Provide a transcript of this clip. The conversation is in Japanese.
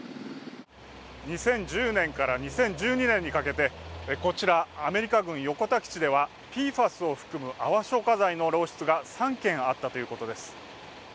２０１０年から２０１２年にかけて、こちらアメリカ軍横田基地ではＰＦＡＳを含む泡消火剤の漏出が３件あったということです。